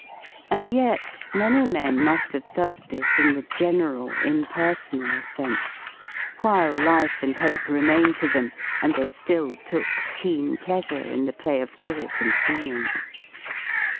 And yet many men muW have felt this in the general impersonal sense, while life and hope remained to them and they Will took keen pleasure in the play of thought and feeling.